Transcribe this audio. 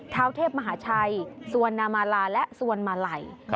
เท้าเทพมหาชัยสวรรณามาลาและสวนมาลัย